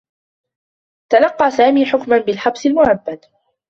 تلقّى سامي حكما بالحبس المؤبّد.